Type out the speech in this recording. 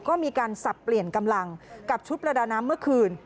ก็มีการสับเปลี่ยนกำลังกับชุดประดาน้ำเมื่อคืน